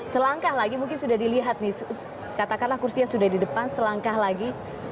selangkah lagi mungkin sudah dilihat nih katakanlah kursinya sudah di depan selangkah lagi